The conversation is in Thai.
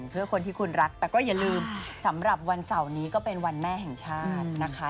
เพื่อคนที่คุณรักแต่ก็อย่าลืมสำหรับวันเสาร์นี้ก็เป็นวันแม่แห่งชาตินะคะ